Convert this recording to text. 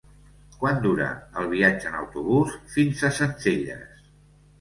Quant dura el viatge en autobús fins a Sencelles?